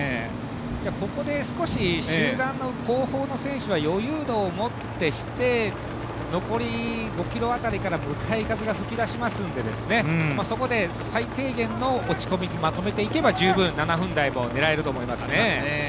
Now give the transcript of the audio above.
ここで少し集団の後方の選手は余裕度を持って残り５ｋｍ辺りから向かい風が吹き出しますのでそこで最低限の落ち込みにまとめていけば十分、７分台も狙えると思います。